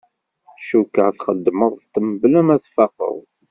Cukkeɣ txedmeḍ-t mebla ma tfaqeḍ.